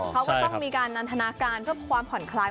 เขาก็ต้องมีการนันทนาการเพื่อความผ่อนคลาย